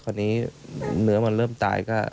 ค่อนนี้เหนือมันเริ่มตายก็